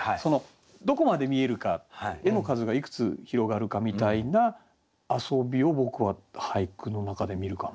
どこまで見えるか絵の数がいくつ広がるかみたいな遊びを僕は俳句の中で見るかな。